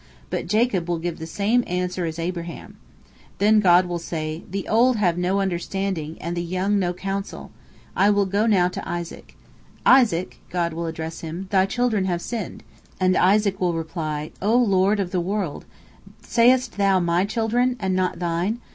But Jacob will give the same answer as Abraham. Then God will say: "The old have no understanding, and the young no counsel. I will now go to Isaac. Isaac," God will address him, "thy children have sinned," and Isaac will reply: "O Lord of the world, sayest Thou my children, and not THINE?